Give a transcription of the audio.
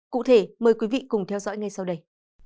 cụ thể mời quý vị cùng theo dõi ngay sau đây